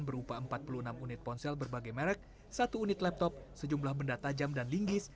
berupa empat puluh enam unit ponsel berbagai merek satu unit laptop sejumlah benda tajam dan linggis